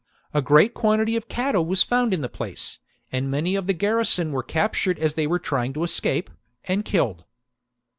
A great quantity of cattle was found in the place, and many of the garrison were captured as they were trying to escape, and killed.